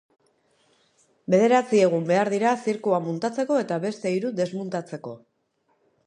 Bederatzi egun behar dira zirkua muntatzeko eta beste hiru desmuntatzeko.